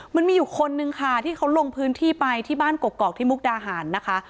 มันมีอยู่คนนึงค่ะที่เขาลงพื้นที่ไปที่บ้านกกอกที่มุกดาหารนะคะ